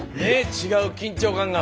違う緊張感が。